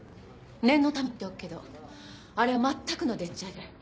念のために言っておくけどあれはまったくのでっちあげ。